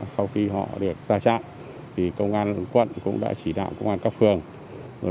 sau khi họ được ra trạng công an quận cũng đã chỉ đạo công an các phường